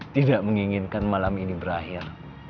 tidak menginginkan malam ini berakhir